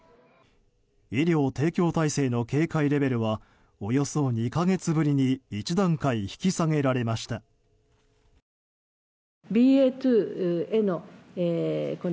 医療提供体制の警戒レベルはおよそ２か月ぶりに一段階引き下げられました。